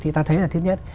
thì ta thấy là thứ nhất